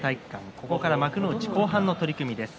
ここからは幕内後半の取組です。